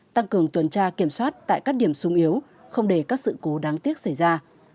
tăng cường tuần tra kiểm soát tại các điểm sung yếu không để các sự cố đáng tiếc xảy ra